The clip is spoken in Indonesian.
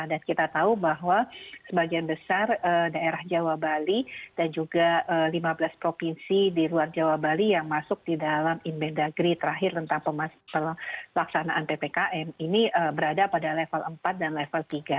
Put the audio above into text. dan kita tahu bahwa sebagian besar daerah jawa bali dan juga lima belas provinsi di luar jawa bali yang masuk di dalam inbedagri terakhir tentang pelaksanaan ppkm ini berada pada level empat dan level tiga